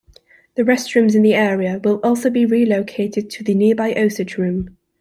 The restrooms in the area will also be relocated to the nearby Osage room.